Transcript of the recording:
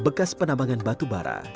bekas penambangan batubara